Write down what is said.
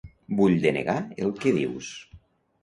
Vull denegar el que dius.